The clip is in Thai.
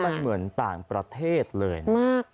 นี่มันเหมือนต่างประเทศเลยมาก